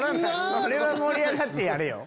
それは盛り上がってやれよ。